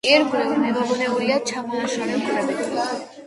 ირგვლივ მიმობნეულია ჩამონაშალი ქვები.